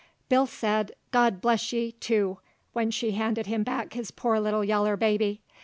Bill said, "God bless ye!" too, when she handed him back his poor little yaller baby.